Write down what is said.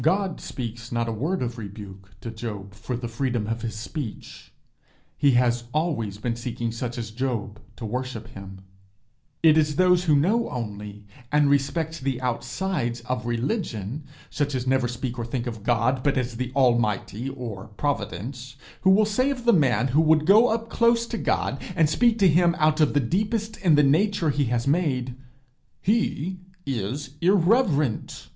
God speaks not a word of rebuke to Job for the freedom of his speech: he has always been seeking such as Job to worship him. It is those who know only and respect the outsides of religion, such as never speak or think of God but as the Almighty or Providence, who will say of the man who would go close up to God, and speak to him out of the deepest in the nature he has made, 'he is irreverent.'